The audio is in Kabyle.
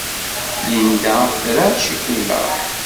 Linda tra ccikula.